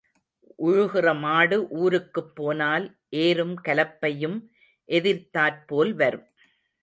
உழுகிற மாடு ஊருக்குப் போனால் ஏரும் கலப்பையும் எதிர்த்தாற் போல் வரும்.